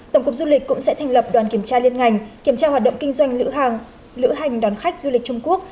tổng cục du lịch cũng sẽ thành lập đoàn kiểm tra liên ngành kiểm tra hoạt động kinh doanh lữ hành lữ hành đón khách du lịch trung quốc